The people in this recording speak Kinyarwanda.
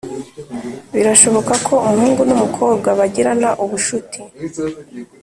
birashoboka ko umuhungu numukobwa bagirana ubushuti"